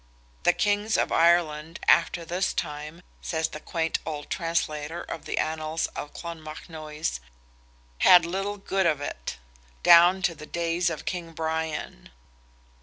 The kings of Ireland after this time, says the quaint old translator of the Annals of Clonmacnoise, "had little good of it," down to the days of King Brian.